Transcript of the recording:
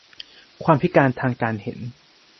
ความพิการทางการเห็น